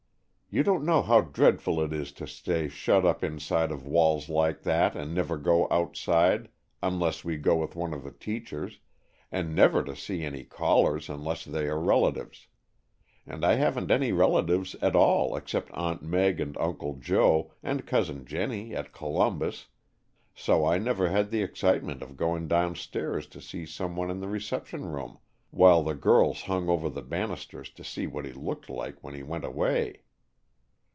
You don't know how dreadful it is to stay shut up inside of walls like that, and never to go outside unless we go with one of the teachers, and never to see any callers unless they are relatives. And I haven't any relatives at all except Aunt Meg and Uncle Joe and Cousin Jennie at Columbus, so I never had the excitement of going downstairs to see some one in the reception room, while the girls hung over the banisters to see what he looked like when he went away."